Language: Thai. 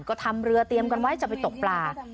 ก็ทำเรือเตรียมกันไว้จะไปตกปลา